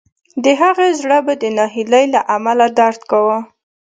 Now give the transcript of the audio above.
د هغې زړه به د ناهیلۍ له امله درد کاوه